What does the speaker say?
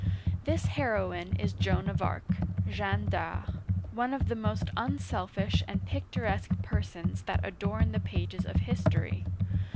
This heroine is Joan of Arc (Jeanne d*Arc), one of the most unselfish and picturesque persons that adorn the pages of history.